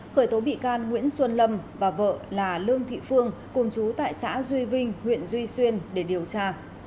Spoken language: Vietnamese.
khởi tố bị can nguyễn xuân lâm và vợ là lương thị phương cùng chú tại xã duy vinh huyện duy xuyên để điều tra